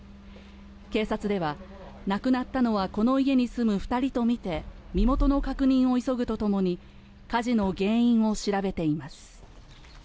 警察では、亡くなったのはこの家に住む２人とみて身元の確認を急ぐとともに火事の原因を調べています。